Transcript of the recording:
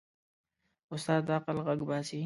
استاد د عقل غږ باسي.